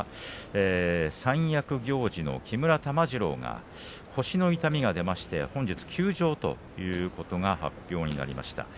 三役行司の木村玉治郎が腰の痛みが出まして本日、休場ということが発表になりました。